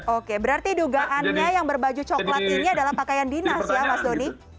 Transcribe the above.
oke berarti dugaannya yang berbaju coklat ini adalah pakaian dinas ya mas doni